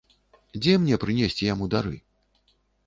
Дзе мне прынесці яму дары?